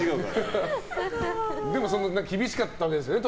でも、厳しかったんですね